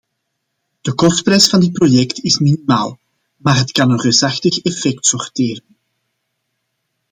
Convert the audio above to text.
De kostprijs van dit project is minimaal, maar het kan een reusachtig effect sorteren.